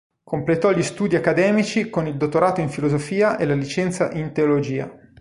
Completò gli studi accademici con il dottorato in filosofia e la licenza in teologia.